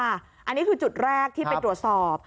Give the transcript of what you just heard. อันนี้คือจุดแรกที่ไปตรวจสอบ